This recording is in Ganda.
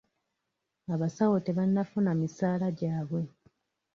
Abasawo tebannafuna misaala gyabwe.